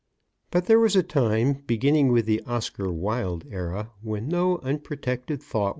But there was a time, beginning with the Oscar Wilde era, when no unprotected thought was safe.